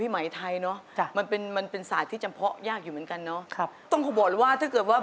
ฮักอายชอบมาจนแย่ส่อยให้เป็นรักแท้สู่เรา